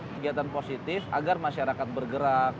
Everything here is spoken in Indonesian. kegiatan positif agar masyarakat bergerak